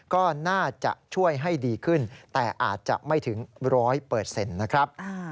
ก็น่าจะช่วยให้ดีขึ้นแต่อาจจะไม่ถึง๑๐๐นะครับ